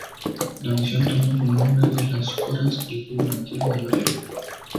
La misión tomó su nombre de los "coras", el pueblo nativo de la región.